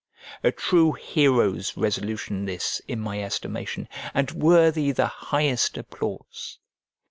A true hero's resolution this, in my estimation, and worthy the highest applause.